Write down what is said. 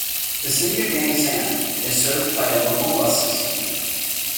The city of Yangsan is served by a local bus system.